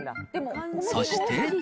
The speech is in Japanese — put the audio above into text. そして。